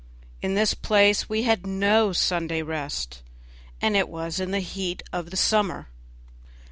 In this place we had no Sunday rest, and it was in the heat of summer.